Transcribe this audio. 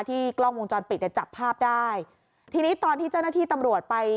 กล้องวงจรปิดเนี่ยจับภาพได้ทีนี้ตอนที่เจ้าหน้าที่ตำรวจไป